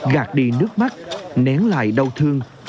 gạt đi nước mắt nén lại đau thương